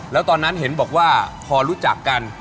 แล้วตอนนั้นเห็นบอกว่าพอรู้จักกัน